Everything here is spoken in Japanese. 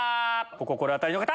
お心当たりの方！